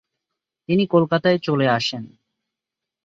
তিনি কলকাতায় চলে আসেন।